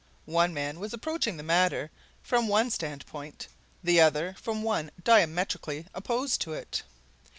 One man was approaching the matter from one standpoint; the other from one diametrically opposed to it.